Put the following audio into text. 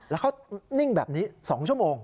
แล้วเขานิ่งแบบนี้๒ชั่วโมง